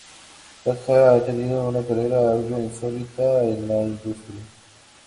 Katja ha tenido una carrera algo insólita en la industria.